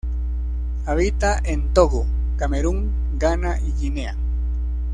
Habita en Togo, Camerún, Ghana y Guinea.